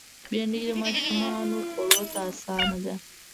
بېنډۍ د ماشومو خوړ ته آسانه ده